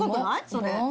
それ。